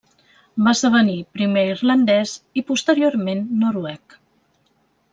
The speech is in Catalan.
Va esdevenir primer irlandès i posteriorment noruec.